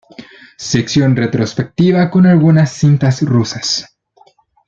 Sección retrospectiva con algunas cintas rusas.